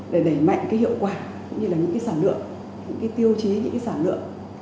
để đẩy mạnh hiệu quả những tiêu chí những sản lượng trong thời gian tiếp theo